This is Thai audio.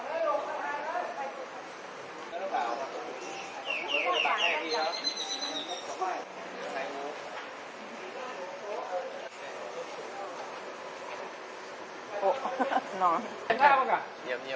อาหนาวนี่ที่มีกล้างเจ็บปลา